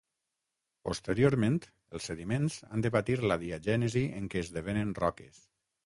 Posteriorment, els sediments han de patir la diagènesi en què esdevenen roques.